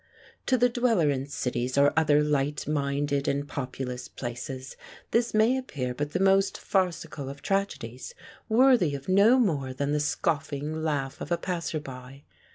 To the dweller in cities or other light minded and populous places this may appear but the most farcical of tragedies, worthy of no more than the scoffing laugh of a passer by.